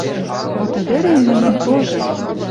— Вот ӹдӹрем мӹньӹн тоже